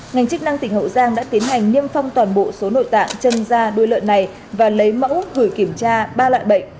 ngành chức năng tỉnh hậu giang đã tiến hành niêm phong toàn bộ số nội tạng chân da đuôi lợn này và lấy mẫu gửi kiểm tra ba loại bệnh